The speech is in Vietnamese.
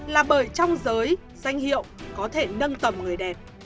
là bởi trong giới danh hiệu có thể nâng tầm người đẹp